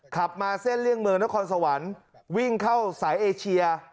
ขับมาเส้นเลี่ยงเมืองนครสวรรค์วิ่งเข้าสายเอเชีย